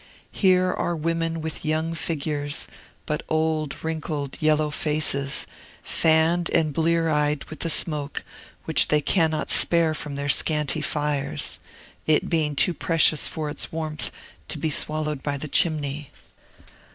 Here are women with young figures, but old, wrinkled, yellow faces, fanned and blear eyed with the smoke which they cannot spare from their scanty fires, it being too precious for its warmth to be swallowed by the chimney.